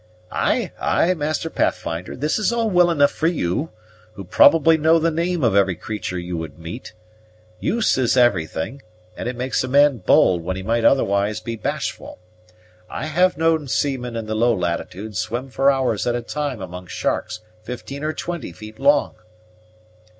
"Ay, ay, Master Pathfinder, this is all well enough for you, who probably know the name of every creature you would meet. Use is everything, and it makes a man bold when he might otherwise be bashful. I have known seamen in the low latitudes swim for hours at a time among sharks fifteen or twenty feet long."